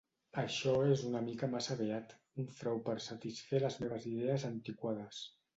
Això és una mica massa beat, un frau per satisfer les meves idees antiquades.